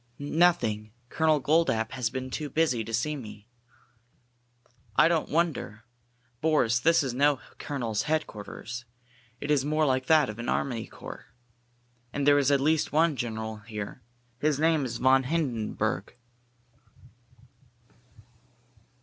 "Nothing. Colonel Goldapp has been too busy to see me." "I don't wonder! Boris, this is no colonel's headquarters. It is more like that of an army corps. And there is at least one general here. His name is von Hindenburg."